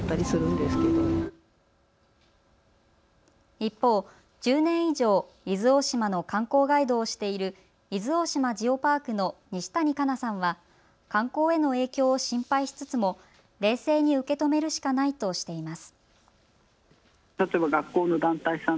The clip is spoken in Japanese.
一方、１０年以上、伊豆大島の観光ガイドをしている伊豆大島ジオパークの西谷香菜さんは観光への影響を心配しつつも冷静に受け止めるしかないとしています。